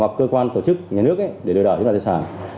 hoặc cơ quan tổ chức nhà nước để lừa đảo chiếm đoạt tài sản